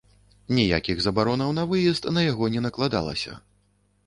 Ніякіх забаронаў на выезд на яго не накладалася.